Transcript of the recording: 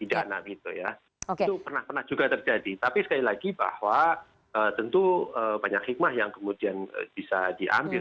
pidana gitu ya itu pernah pernah juga terjadi tapi sekali lagi bahwa tentu banyak hikmah yang kemudian bisa diambil